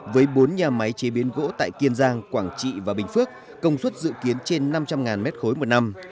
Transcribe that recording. với bốn nhà máy chế biến gỗ tại kiên giang quảng trị và bình phước công suất dự kiến trên năm trăm linh m ba một năm